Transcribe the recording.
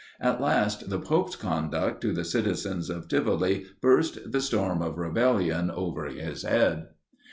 At last the pope's conduct to the citizens of Tivoli burst the storm of rebellion over his head.